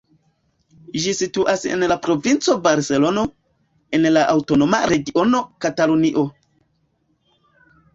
Ĝi situas en la Provinco Barcelono, en la aŭtonoma regiono Katalunio.